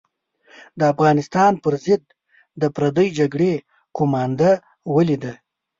د افغانستان پر ضد د پردۍ جګړې قومانده ولیده.